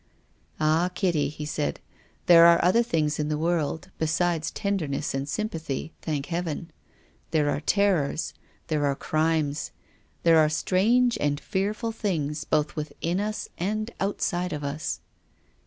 " Ah, Kitty," he said, " there are other things in the world besides tenderness and sympathy, thank Heaven. There are terrors, there are crimes, there are strange and fearful things both within us and outside of us."